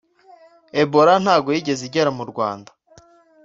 Ebola ntago yigeze igera mu rwanda